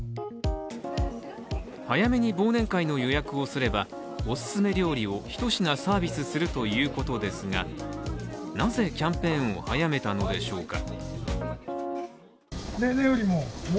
早めに忘年会の予約をすればお勧め料理をひと品サービスするということですがなぜキャンペーンを早めたのでしょうか。